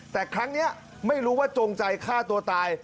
แต่ครั้งนี้ไม่รู้ว่าจงใจฆ่าตัวตาย